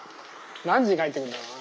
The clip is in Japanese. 何時に帰ってくるんだろうな？